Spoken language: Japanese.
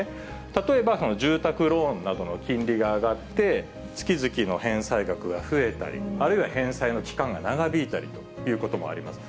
例えば住宅ローンなどの金利が上がって、月々の返済額が増えたり、あるいは返済の期間が長引いたりということもあります。